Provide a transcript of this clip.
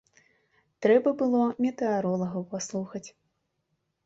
Трэба было метэаролагаў паслухаць.